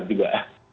ketat juga ya